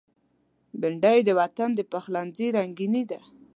بېنډۍ د وطن د پخلنځي رنگیني ده